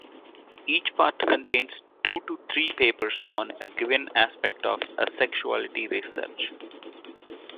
Each part contains two to three papers on a given aspect of asexuality research.